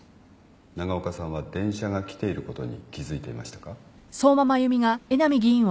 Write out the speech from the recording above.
長岡さんは電車が来ていることに気付いていましたか？